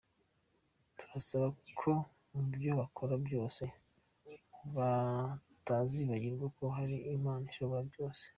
Turabasaba ko mu byo bakora byose batazibagirwa ko hari Imana ishobora byose.